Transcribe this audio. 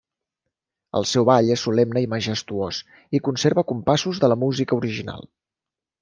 El seu ball és solemne i majestuós i conserva compassos de la música original.